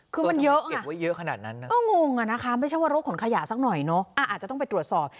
คือมันเยอะอ่ะงงอ่ะนะคะไม่ใช่ว่ารถขนขยายสักหน่อยเนอะอาจจะต้องไปตรวจสอบ